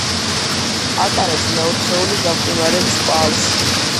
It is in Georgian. ატარებს მეოთხეული გამყინვარების კვალს.